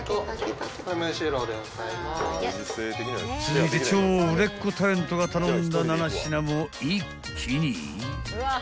［続いて超売れっ子タレントが頼んだ７品も一気に］